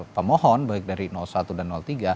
pemohon baik dari satu dan tiga